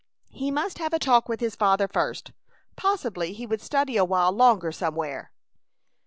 He must have a talk with his father first. Possibly he would study awhile longer somewhere.